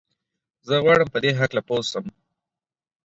زه غواړم په دي هکله پوه سم.